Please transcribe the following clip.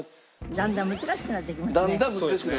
だんだん難しくなってきてますね。